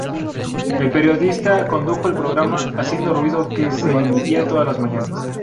El periodista condujo el programa "Haciendo ruido", que se emitía todas las mañanas.